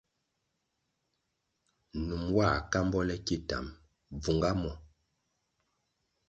Num nwā kambo le ki tam, bvunga muo.